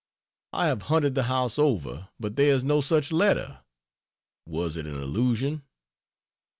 I have hunted the house over, but there is no such letter. Was it an illusion?